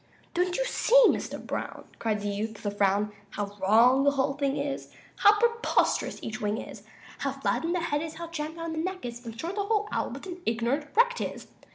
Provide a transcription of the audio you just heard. "Don't you see, Mr. Brown," Cried the youth, with a frown, "How wrong the whole thing is, How preposterous each wing is How flattened the head is, how jammed down the neck is In short, the whole owl, what an ignorant wreck 'tis!